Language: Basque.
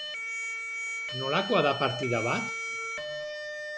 Nolakoa da partida bat?